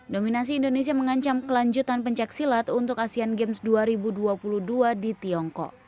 dominasi indonesia mengancam kelanjutan pencaksilat untuk asean games dua ribu dua puluh dua di tiongkok